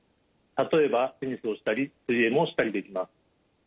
例えばテニスをしたり水泳もしたりできます。